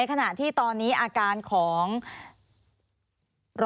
มีความรู้สึกว่ามีความรู้สึกว่า